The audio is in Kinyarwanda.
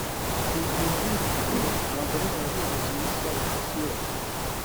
Mu gihe nk’iki abagore baba bizihiza umunsi wabo ku Isi yose